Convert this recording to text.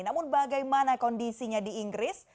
namun bagaimana kondisinya di inggris